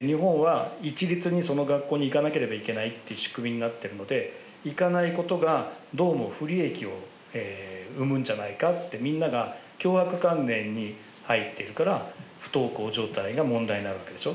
日本は一律にその学校に行かなければいけないという仕組みになっているので行かないことがどうも不利益を生むんじゃないかってみんなが強迫観念に入っているから不登校状態が問題になるわけでしょ。